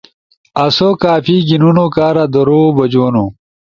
آسو کافی گھیِنونو کارا درو بجونو